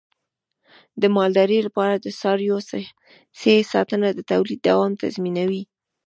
د مالدارۍ لپاره د څارویو صحي ساتنه د تولید دوام تضمینوي.